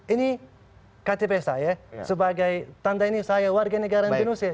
ini ktp saya sebagai tanda ini saya warga negara indonesia